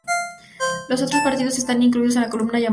Los otros partidos están incluidos en la columna llamada "Otros".